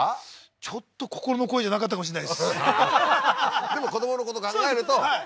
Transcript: ちょっと心の声じゃなかったかもしれないですははははっ